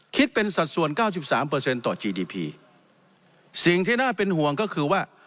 คิดเป็นสัดส่วนเก้าสิบสามเปอร์เซ็นต์ต่อจีดีพีสิ่งที่น่าเป็นห่วงก็คือว่า